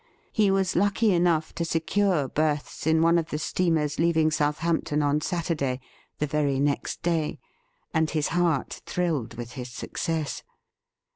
He was lucky enough to secure berths in one of the steamers leaving Southampton on Saturday — the very next day — and his heart thrilled with his success.